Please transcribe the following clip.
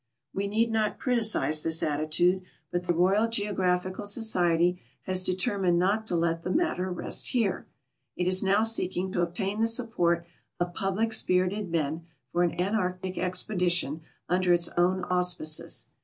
We need not criticise this attitude ; Init the Royal Geographical Society has determined not to let the matter rest here. It is now seeking to ol)tain the sui)iiort of pub lic spirited men for an Antarctic exj^edition under its own au spices.